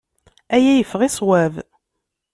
Aya yeffeɣ i ṣṣwab.